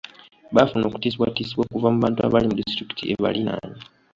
Baafuna okutiisibwatiisibwa okuva mu bantu abali mu disitulikiti ebaliraanye.